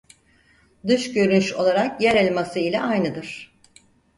Dış görünüş olarak Yerelması ile aynıdır.